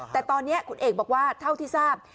แต่ตอนนี้คุณเอกบอกว่าเท่าที่ทราบ